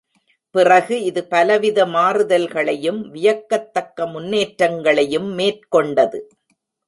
பிறகு இது பலவித மாறுதல்களையும், வியக்கத்தக்க முன்னேற்றங்களையும் மேற்கொண்டது.